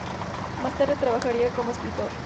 Más tarde trabajaría como escritor.